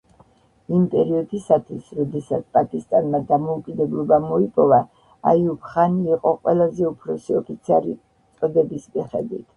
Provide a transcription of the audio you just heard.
იმ პერიოდისათვის, როდესაც პაკისტანმა დამოუკიდებლობა მოიპოვა აიუბ-ხანი იყო ყველაზე უფროსი ოფიცერი წოდების მიხედვით.